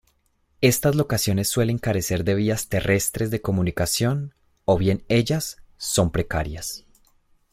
Estas locaciones suelen carecer de vías terrestres de comunicación o bien ellas son precarias.